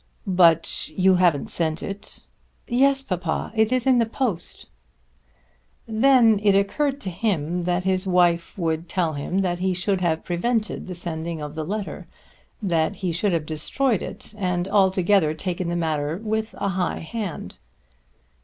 "But you haven't sent it." "Yes, papa; it is in the post." Then it occurred to him that his wife would tell him that he should have prevented the sending of the letter, that he should have destroyed it and altogether taken the matter with a high hand.